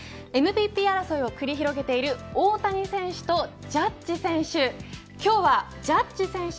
ＭＶＰ争いを繰り広げている大谷選手とジャッジ選手